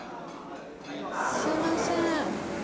すいません。